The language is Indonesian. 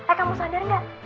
eh kamu sadar nggak